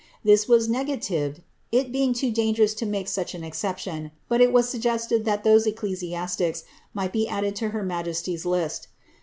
This was negatived, it being too dangerous to make such an exception, but it was suggested that those ecclesiastics might be added to her majesty's list.